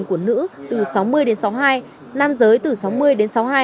của nữ từ sáu mươi đến sáu mươi hai nam giới từ sáu mươi đến sáu mươi hai